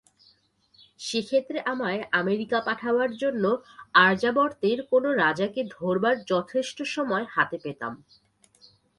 সে ক্ষেত্রে আমায় আমেরিকা পাঠাবার জন্য আর্যাবর্তের কোন রাজাকে ধরবার যথেষ্ট সময় হাতে পেতাম।